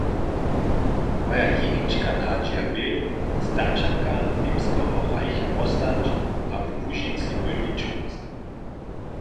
Moja jenička nadźija bě, staćanka Němskeho reicha wostać a we Łužicy bydlić móc.